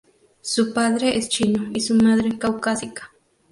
Su padre es chino y su madre caucásica.